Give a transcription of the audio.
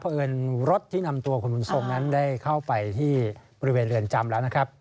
เพราะเอิญรถที่นำตัวคุณบุญทรงนั้นได้เข้าไปที่บริเวณเรือนจำแล้วนะครับ